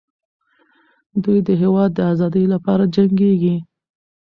دوی د هېواد د ازادۍ لپاره جنګېږي.